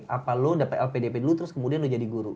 apa lo dapat lpdp dulu terus kemudian lo jadi guru